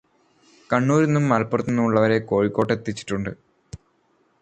കണ്ണൂരില് നിന്നും മലപ്പുറത്തുനിന്നും ഉള്ളവരെ കോഴിക്കോട്ടെത്തിച്ചിട്ടുണ്ട്.